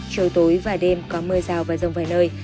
chiều tối và đêm có mưa rào và rông vài nơi